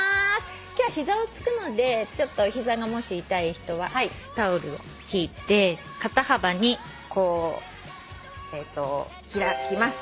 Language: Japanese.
今日は膝をつくので膝がもし痛い人はタオルを敷いて肩幅にこう開きます。